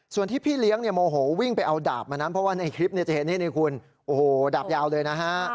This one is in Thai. ส่วนที่พี่เลี้ยงเนี่ยโมโหวิ่งไปเอาดาบมานั้นเพราะว่าในคลิปจะเห็นนี่คุณโอ้โหดาบยาวเลยนะฮะ